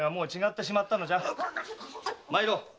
参ろう。